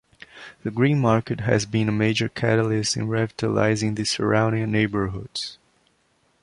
The green-market has been a major catalyst in revitalizing the surrounding neighborhoods.